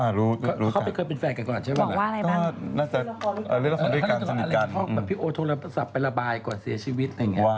อ่ารู้รู้จักเขาเคยเป็นแฟนกันก่อนใช่ไหมพี่โอ๊คโทรศัพท์ไประบายก่อนเสียชีวิต